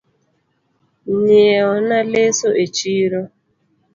Nyieo na lesa e chiro